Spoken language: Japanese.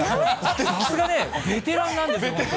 さすがベテランなんです、本当に。